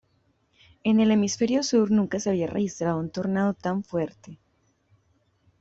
En el hemisferio sur nunca se había registrado un tornado tan fuerte.